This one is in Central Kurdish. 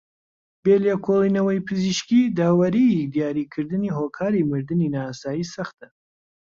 بێ لێکۆڵێنەوەی پزیشکی داوەریی دیاریکردنی هۆکاری مردنی نائاسایی سەختە